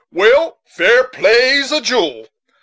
"Well, fair play's a jewel.